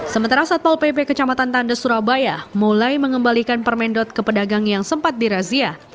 sementara satpol pp kecamatan tanda surabaya mulai mengembalikan permendot ke pedagang yang sempat dirazia